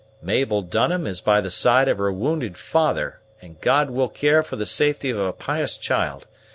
"Mabel Dunham is by the side of her wounded father, and God will care for the safety of a pious child.